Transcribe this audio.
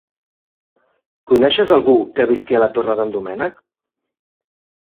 Coneixes algú que visqui a la Torre d'en Doménec?